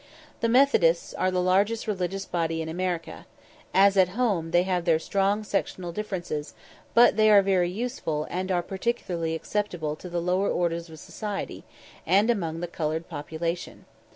The Methodists are the largest religious body in America. As at home, they have their strong sectional differences, but they are very useful, and are particularly acceptable to the lower orders of society, and among the coloured population.